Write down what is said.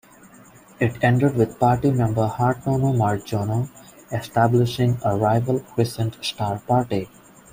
It ended with party member Hartono Mardjono establishing a rival Crescent Star Party.